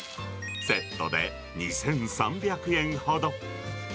セットで２３００円ほど。